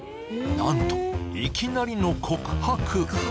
なんと、いきなりの告白。